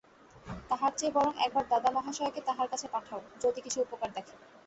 তাহার চেয়ে বরং একবার দাদা মহাশয়কে তাঁহার কাছে পাঠাও, যদি কিছু উপকার দেখে।